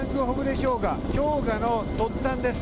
氷河氷河の突端です。